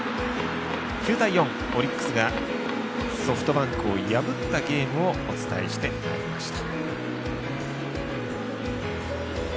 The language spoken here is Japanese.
９対４、オリックスがソフトバンクを破ったゲームをお伝えしてまいりました。